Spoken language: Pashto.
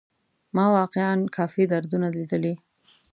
ما واقيعا کافي دردونه ليدلي.